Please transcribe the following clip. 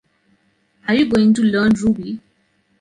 Are you going to learn Ruby?